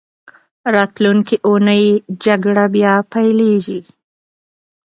راتلونکې اونۍ جګړه بیا پیلېږي.